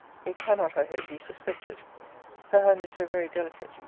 It cannot, I hope, be suspected. Her hand is so very delicate.